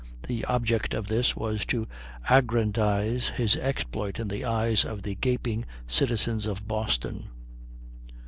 The object of this was to aggrandize his exploit in the eyes of the gaping citizens of Boston."